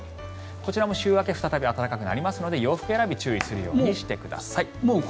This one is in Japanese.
こちらも週明け再び暖かくなりますので洋服選び注意するようにしてください。